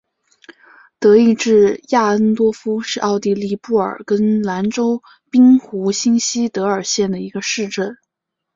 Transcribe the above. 德意志亚恩多夫是奥地利布尔根兰州滨湖新锡德尔县的一个市镇。